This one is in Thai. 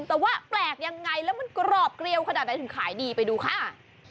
แต่ว่าแปลกยังไงแล้วมันกรอบเกลียวขนาดไหนถึงขายดีไปดูค่ะ